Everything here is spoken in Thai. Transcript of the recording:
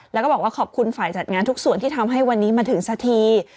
แล้วก็บอกว่าขอบคุณฝ่ายจัดงานทุกส่วนที่ทำให้วันนี้มาถึงสักที